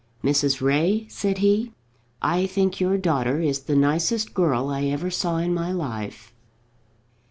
"Mrs. Ray," said he, "I think your daughter is the nicest girl I ever saw in my life."